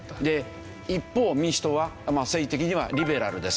一方民主党は政治的にはリベラルですよね。